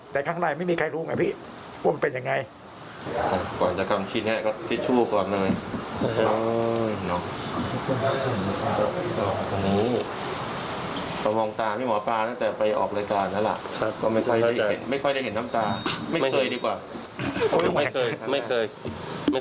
แต่ข้างในไม่มีใครรู้ไหมพี่พวกมันเป็นอย่างไร